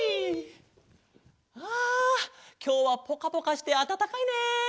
あきょうはぽかぽかしてあたたかいね。